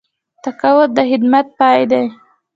تقاعد د خدمت پای دی